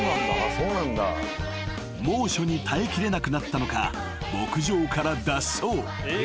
［猛暑に耐えきれなくなったのか牧場から脱走］